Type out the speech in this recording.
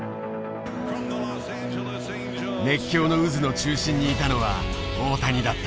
熱狂の渦の中心にいたのは大谷だった。